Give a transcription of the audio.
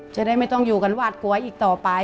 จะได้ไม่ต้องอยู่กันหวาดกลัวอีกต่อไป